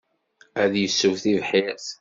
Ad yessew tibḥirt.